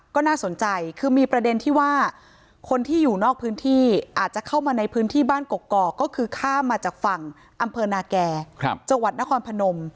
ก็น่าสนใจคือมีประเด็นที่ว่าคนที่อยู่นอกพื้นที่อาจจะเข้ามาในพื้นที่บ้านกกอกก็คือข้ามมาจากฝั่งอำเภอนาแก่จังหวัดนครพนม